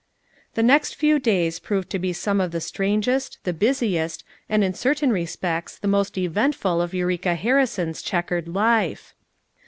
The next few days proved to he some of the strangest, the busiest and in certain respects the most eventful of Eureka Harrison's check ered life.